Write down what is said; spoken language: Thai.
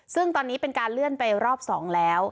ซึ่งตอนนี้เป็นการเลื่อนไปรอบ๒แล้ว